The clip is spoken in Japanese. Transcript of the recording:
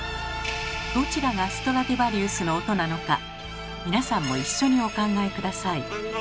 どちらがストラディヴァリウスの音なのか皆さんも一緒にお考えください。